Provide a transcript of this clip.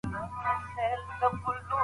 په پښتو ژبه کي ورته سياست پوهنه وايي.